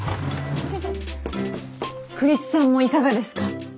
栗津さんもいかがですか？